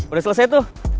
udah selesai tuh